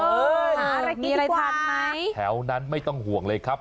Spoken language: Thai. หาอะไรกินไหมแถวนั้นไม่ต้องห่วงเลยครับ